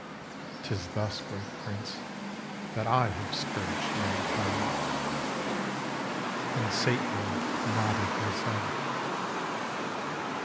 'Tis thus, great Prince, that I have scourged mankind." And Satan nodded his head.